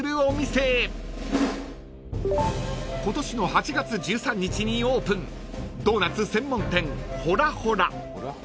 ［今年の８月１３日にオープンドーナツ専門店洞洞］